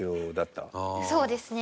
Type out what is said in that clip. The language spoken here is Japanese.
そうですね。